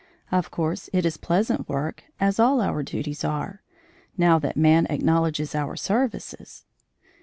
Of course, it is pleasant work, as all our duties are, now that man acknowledges our services.